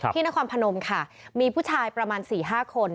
นครพนมค่ะมีผู้ชายประมาณ๔๕คน